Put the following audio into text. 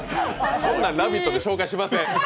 そんなん「ラヴィット！」で紹介しません。